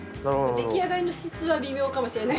出来上がりの質は微妙かもしれない。